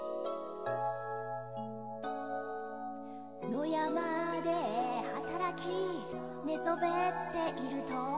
「野山で働き」「寝そべっていると」